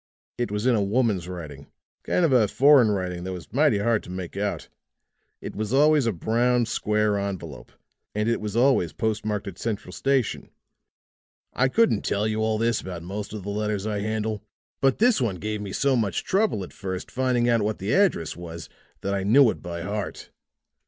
It was in a woman's writing kind of a foreign writing that was mighty hard to make out. It was always a brown, square envelope, and it was always post marked at Central Station. I couldn't tell you all this about most of the letters I handle, but this one gave me so much trouble at first finding out what the address was that I knew it by heart.